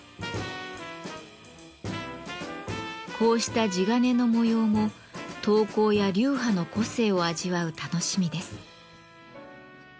こうした地鉄の模様も刀工や流派の個性を味わう楽しみです。